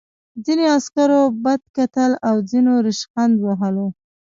ځینو عسکرو بد کتل او ځینو ریشخند وهلو